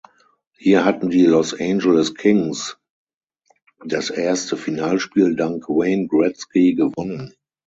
Hier hatten die Los Angeles Kings das erste Finalspiel dank Wayne Gretzky gewonnen.